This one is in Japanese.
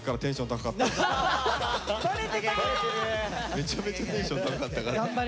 めちゃめちゃテンション高かったから。